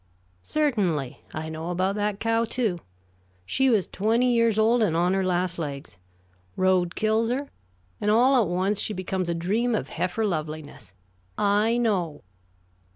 "Certainly. I know about that cow, too. She was twenty years old and on her last legs. Road kills her, and all at once she becomes a dream of heifer loveliness. I know."